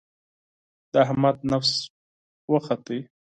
د احمد نفس وخوت.